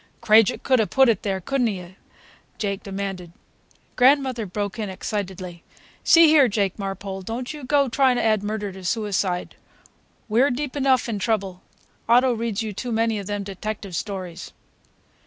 "Krajiek could 'a' put it there, could n't he?" Jake demanded. Grandmother broke in excitedly: "See here, Jake Marpole, don't you go trying to add murder to suicide. We're deep enough in trouble. Otto reads you too many of them detective stories."